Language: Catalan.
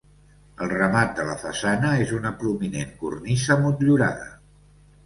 El remat de la façana és una prominent cornisa motllurada.